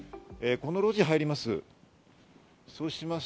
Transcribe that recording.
この路地を入ります。